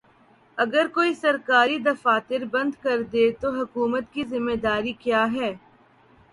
اگر کوئی سرکاری دفاتر بند کردے تو حکومت کی ذمہ داری کیا ہے؟